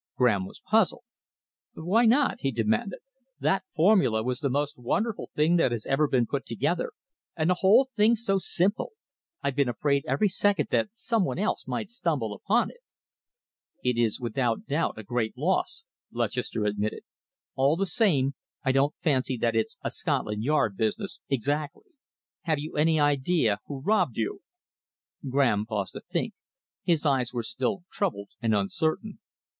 Graham was puzzled. "Why not?" he demanded. "That formula was the most wonderful thing that has ever been put together, and the whole thing's so simple. I've been afraid every second that some one else might stumble upon it." "It is without doubt a great loss," Lutchester admitted. "All the same, I don't fancy that it's a Scotland Yard business exactly. Have you any idea who robbed you?" Graham paused to think. His eyes were still troubled and uncertain.